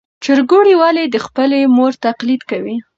چرګوړي ولې د خپلې مور تقلید کوي؟